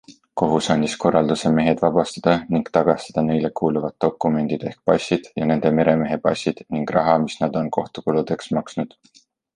Kohus andis korralduse mehed vabastada ning tagastada neile kuuluvad dokumendid ehk passid ja nende meremehe passid ning raha, mis nad on kohtukuludeks maksnud.